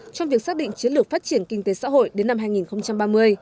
trong việc xác định chiến lược phát triển kinh tế xã hội đến năm hai nghìn ba mươi